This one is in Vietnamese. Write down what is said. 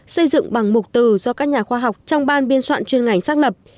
xây dựng bằng mục từ do các nhà khoa học trong ban biên soạn chuyên ngành xác lập